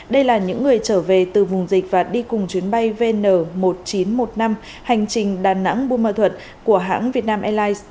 đây là những người trở về từ vùng dịch và đi cùng chuyến bay vn một nghìn chín trăm một mươi năm hành trình đà nẵng buôn ma thuật của hãng vietnam airlines